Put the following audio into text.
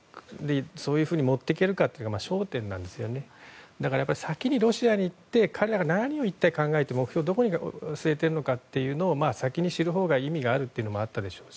そういうふうに持っていけるかというのが焦点で先にロシアに行って彼らが何を考えて目標をどこに据えているのかを先に知るほうが意味があるということもあり